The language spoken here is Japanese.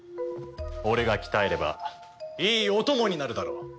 俺が鍛えればいいお供になるだろう！